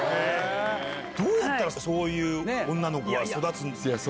どうやったら、そういう女の子が育つんですか？